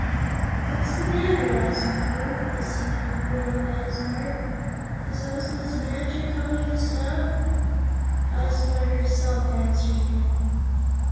"What's the matter?" asked Woot, a sinking feeling at his heart. "Is Ozma's magic all used up?" Ozma herself answered him.